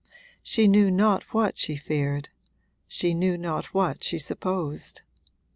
She knew not what she feared she knew not what she supposed.